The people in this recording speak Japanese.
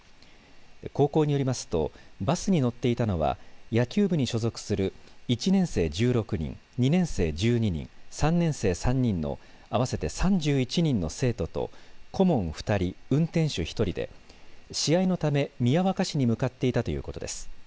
高校によりますとバスに乗っていたのは野球部に所属する１年生１６人、２年生１２人３年生３人の合わせて３１人の生徒と顧問２人、運転手１人で試合のため宮若市に向かっていたということです。